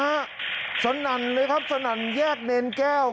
ห้ะสนนั่นเลยครับสนนั่นแยกเม้นแก้ว